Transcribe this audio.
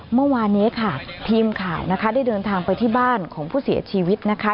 เมื่อวานนี้ค่ะทีมข่าวนะคะได้เดินทางไปที่บ้านของผู้เสียชีวิตนะคะ